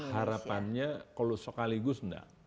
harapannya kalau sekaligus enggak